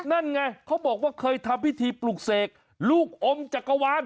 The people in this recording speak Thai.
นั่นไงเขาบอกว่าเคยทำพิธีปลุกเสกลูกอมจักรวาล